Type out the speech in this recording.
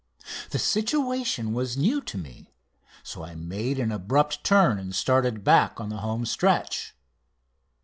The situation was new to me, so I made an abrupt turn and started back on the home stretch.